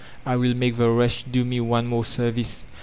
I will make the wretch do me one more service.